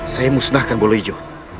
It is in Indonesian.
saya musnahkan bolo ijo